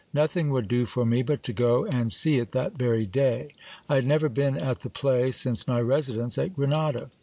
Nothing would do for me, but to go and see it that very day. I had never been at the play since my residence at Grenada.